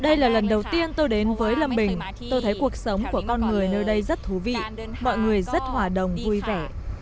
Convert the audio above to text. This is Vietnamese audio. đây là lần đầu tiên tôi đến với lâm bình tôi thấy cuộc sống của con người nơi đây rất thú vị mọi người rất hòa đồng vui vẻ